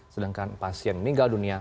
sedangkan pasien meninggal dunia